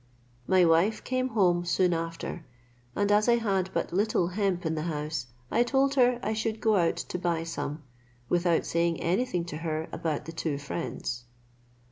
My wife came home soon after, and as I had but little hemp in the house, I told her I should go out to buy some, without saying any thing to her about the two friends.